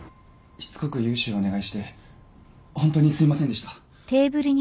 しつこく融資をお願いしてホントにすいませんでした。